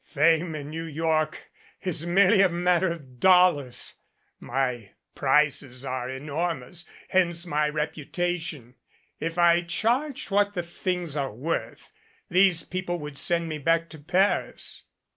"Fame in New York is merely a mat ter of dollars. My prices are enormous hence my repu tation. If I charged what the things are worth, these people would send me back to Paris."